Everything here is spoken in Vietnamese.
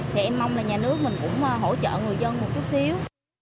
thì em mong là nhà nước mình cũng hỗ trợ người dân một chút xíu